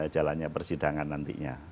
jalannya persidangan nantinya